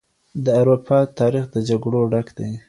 د اروپا تاريخ له جګړو ډک دی.